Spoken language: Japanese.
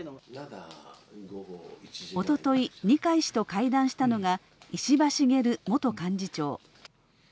おととい、二階氏と会談したのが石破茂元幹事長。